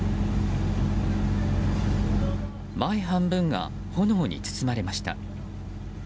前半分が炎に包まれました。